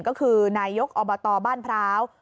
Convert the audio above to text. ก็คือนายกอบตบ้านพร้าว